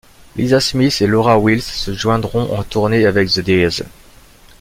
Lisa Smith et Laura Wills se joindront en tournée avec The Dears.